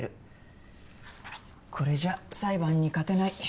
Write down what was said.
これじゃ裁判に勝てない。